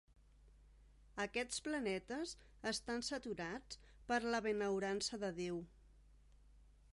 Aquests planetes estan saturats per la benaurança de Déu.